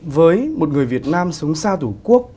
với một người việt nam sống xa thủ quốc